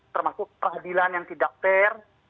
termasuk peradilan yang tidak fair